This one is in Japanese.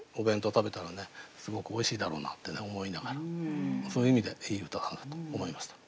すごくおいしいだろうなって思いながらそういう意味でいい歌だなと思いました。